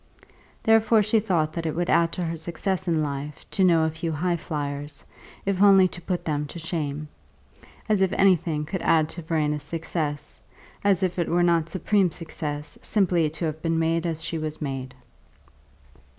Therefore she thought that it would add to her success in life to know a few high flyers, if only to put them to shame; as if anything could add to Verena's success, as if it were not supreme success simply to have been made as she was made.